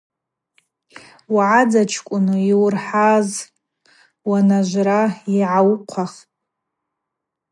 Уъадзачкӏвыну йуырхӏаз уанажвра йгӏауыхъвахпӏ.